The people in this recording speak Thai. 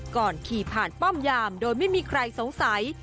ก่อนขี่ผ่านป้อมยามโดยไม่มีใครสงสัย